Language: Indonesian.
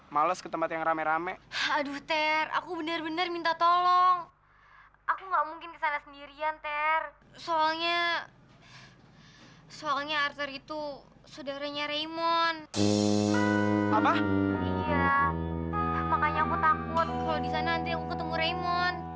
makanya aku takut kalo disana nanti aku ketemu raymond